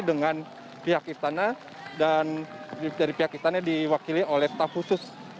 dengan pihak istana dan dari pihak istana diwakili oleh staf khusus